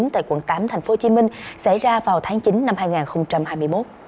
tại quận tám tp hcm xảy ra vào tháng chín năm hai nghìn hai mươi một